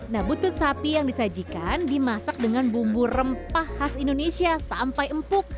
nah butut sapi yang disajikan dimasak dengan bumbu rempah khas indonesia sampai empuk